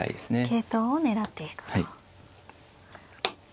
桂頭を狙っていくと。